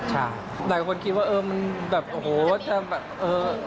ใช่หลายคนคิดว่าเออมันแบบโอ้โหจะแบบเออ